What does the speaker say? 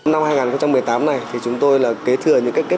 năm hai nghìn một mươi tám này thì chúng tôi là kế thừa những kết quả